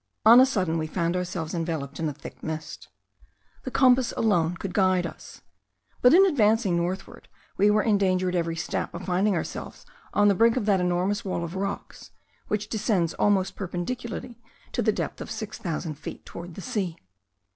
On a sudden we found ourselves enveloped in a thick mist; the compass alone could guide us; but in advancing northward we were in danger at every step of finding ourselves on the brink of that enormous wall of rocks, which descends almost perpendicularly to the depth of six thousand feet towards the sea.